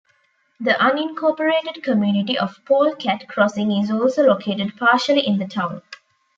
The unincorporated community of Pole Cat Crossing is also located partially in the town.